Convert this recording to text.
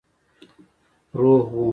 روح وو.